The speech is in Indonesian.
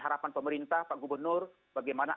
harapan pemerintah pak gubernur bagaimana